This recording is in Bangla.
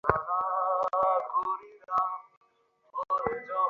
পাশাপাশি আরেক প্রতিবেশী চীনের সঙ্গে সীমান্ত বিরোধ নিষ্পত্তি করতেও সচেষ্ট হয়েছেন।